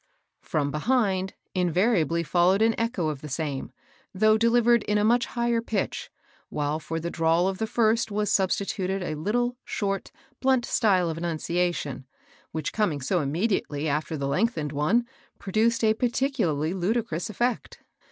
Prom behind invariably followed an echo of the same, though delivered in a much higher pitch, while for the drawl of the first was substituted a little, short, blunt style of enunciation, which, com ing so immediately after the lengthened one, pro duced a particularly ludicrous effect.